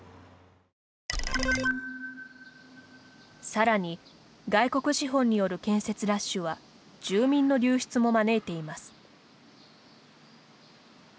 さらに、外国資本による建設ラッシュは住民の流出も招いています。